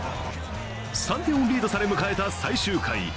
３点をリードされ迎えた最終回。